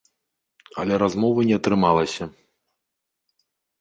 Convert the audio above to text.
Але размовы не атрымалася.